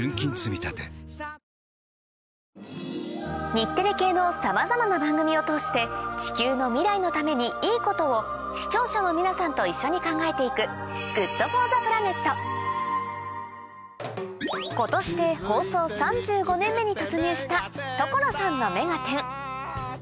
日テレ系のさまざまな番組を通して地球の未来のためにいいことを視聴者の皆さんと一緒に考えていく今年で放送３５年目に突入した『所さんの目がテン！』